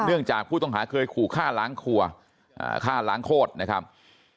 เนื่องจากผู้ต้องหาเคยขู่ฆ่าหลังครัวฆ่าหลังโคตรนะครับ